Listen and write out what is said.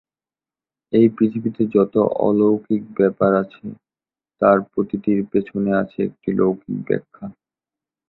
এই পৃথিবীতে যত অলৌকিক ব্যাপার আছে, তার প্রতিটির পেছনে আছে একটি লৌকিক ব্যাখ্যা।